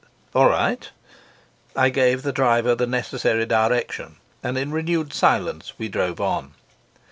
"All right." I gave the driver the necessary direction, and in renewed silence we drove on.